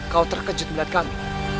kau terkejut melihat kami